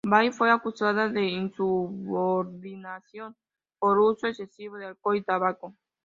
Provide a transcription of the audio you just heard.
Bai fue acusada de insubordinación por uso excesivo de alcohol y tabaco.